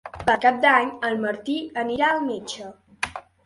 Per Cap d'Any en Martí anirà al metge.